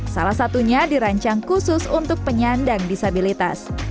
salah satunya dirancang khusus untuk penyandang disabilitas